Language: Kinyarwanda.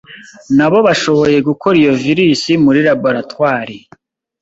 na bo bashoboye gukora iyo virusi muri laboratoire